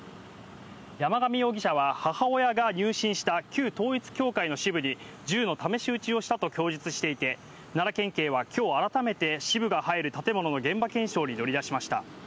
山上容疑者は母親が入信した旧統一教会の支部に銃の試し撃ちをしたと供述していて、奈良県警は今日改めて支部が入る建物の現場検証に乗り出しました。